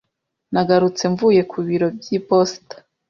Nagarutse mvuye ku biro by'iposita.